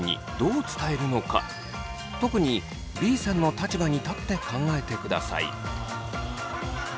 特にＢさんの立場に立って考えてください。